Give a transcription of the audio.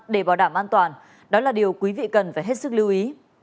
để bảo đảm an toàn đó là điều quý vị cần phải hết sức lưu ý